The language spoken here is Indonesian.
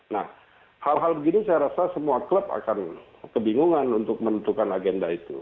nah hal hal begini saya rasa semua klub akan kebingungan untuk menentukan agenda itu